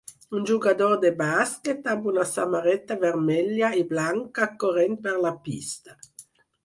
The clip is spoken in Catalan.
Un jugador de bàsquet amb una samarreta vermella i blanca corrent per la pista.